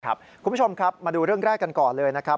คุณผู้ชมครับมาดูเรื่องแรกกันก่อนเลยนะครับ